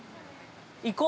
◆行こう。